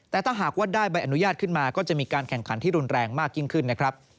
แต่ถ้าหากว่าได้ใบอนุญาตขึ้นมาก็จะมีการแข่งขันที่รุนแรงมากยิ่งขึ้นนะครับ